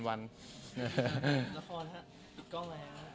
ละครครับปิดกล้องแล้ว